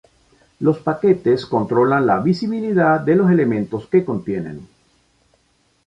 Los paquetes controlan la visibilidad de los elementos que contienen.